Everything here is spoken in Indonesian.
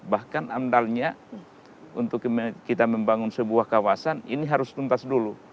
bahkan amdalnya untuk kita membangun sebuah kawasan ini harus tuntas dulu